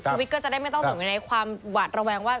วิทย์ก็จะได้ไม่ต้องอยู่ในความหวาดระแวงว่า